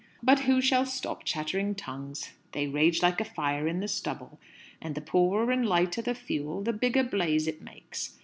But who shall stop chattering tongues? They rage like a fire in the stubble. And the poorer and lighter the fuel, the bigger blaze it makes.